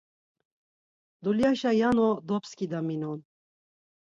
Dulyaşa yano dobskidaminon.